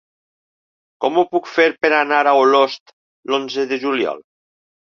Com ho puc fer per anar a Olost l'onze de juliol?